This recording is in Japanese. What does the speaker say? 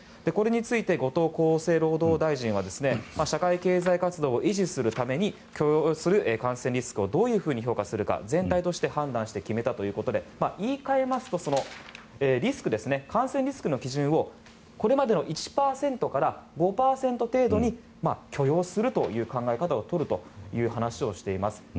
これについて後藤厚生労働大臣は社会経済活動を維持するために許容する感染リスクをどういうふうに評価するか全体として判断して決めたということで言い換えますとリスクですね感染リスクの基準をこれまでの１％から５％程度に許容するという考え方を取ると話しています。